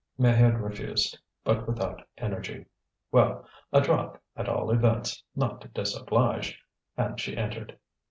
Maheude refused, but without energy. Well! a drop, at all events, not to disoblige. And she entered.